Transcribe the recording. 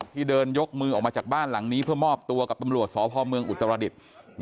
ที่เดินยกมือออกมาจากบ้านหลังนี้เพื่อมอบตัวกับตำรวจสพเมืองอุตรดิษฐ์